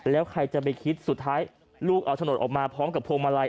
แล้วใครจะไปคิดสุดท้ายลูกเอาโฉนดออกมาพร้อมกับพวงมาลัย